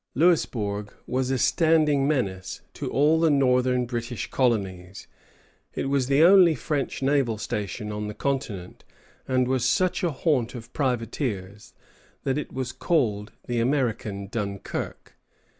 Louisbourg was a standing menace to all the Northern British colonies. It was the only French naval station on the continent, and was such a haunt of privateers that it was called the American Dunkirk.